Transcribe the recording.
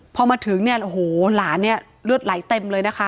พอมาถึงเนี่ยโอ้โหหลานเนี่ยเลือดไหลเต็มเลยนะคะ